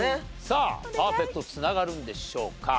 さあパーフェクト繋がるんでしょうか？